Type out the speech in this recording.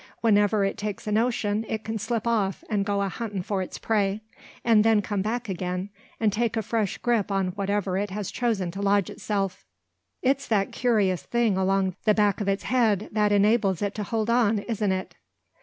Whenever it takes a notion, it can slip off, and go a huntin' for its prey; and then come back again and take a fresh grip on whatever it has chosen to lodge itself." "It's that curious thing along the back of its head that enables it to hold on, isn't it?"